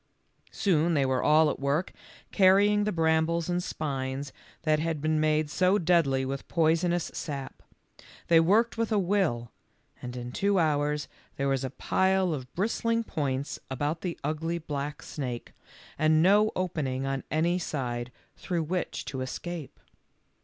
Soon they were all at work carrying the brambles and spines that had been made so deadly with poisonous sap. They worked with a will, and in two hours there was a pile of bristling points about the ugly black snake, and no opening on any side through which to escape.